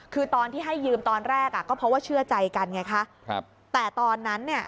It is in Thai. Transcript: คือตอนที่ให้ยืมตอนแรกอ่ะก็เพราะว่าเชื่อใจกันไงคะครับแต่ตอนนั้นเนี่ย